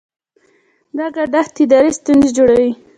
دا ګډښت اداري ستونزې جوړوي.